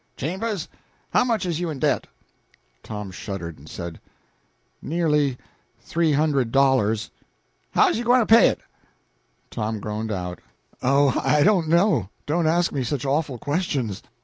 "Chambers, how much is you in debt?" Tom shuddered, and said "Nearly three hundred dollars." "How is you gwine to pay it?" Tom groaned out "Oh, I don't know; don't ask me such awful questions."